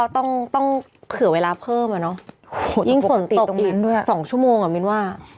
ต้องต้องเผื่อเวลาเพิ่มอ่ะเนอะยิ่งฝนตกอีก๒ชั่วโมงอ่ะมิ้นว่า